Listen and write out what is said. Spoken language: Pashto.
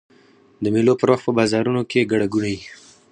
د مېلو پر وخت په بازارو کښي ګڼه ګوڼه يي.